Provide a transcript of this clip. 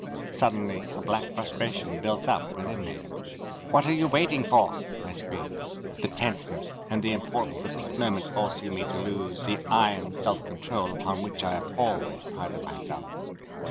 Suddenly a black frustration built up within me. "What are you waiting for?" I screamed, the tenseness, and the importance of this moment forcing me to lose the iron self control upon which I have always prided myself.